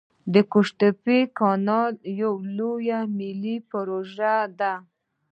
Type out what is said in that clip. د قوش تیپې کانال لویه ملي پروژه ده